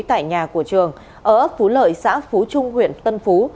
tại nhà của trường ở ấp phú lợi xã phú trung huyện tân phú